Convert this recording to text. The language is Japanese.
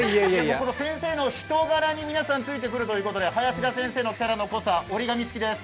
先生の人柄に皆さんついてくるということで、林田先生のキャラの濃さ、折り紙付きです。